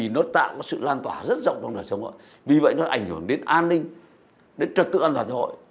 đó tạo ra rất nhiều hệ lụy